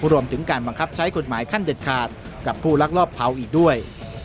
รวมถึงการบังคับใช้กฎหมายขั้นเด็ดขาดกับผู้ลักลอบเผาอีกด้วย